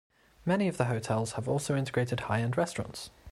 Many of the hotels have also integrated high-end restaurants.